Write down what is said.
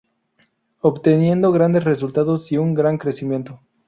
Obteniendo grandes resultados y un gran crecimiento.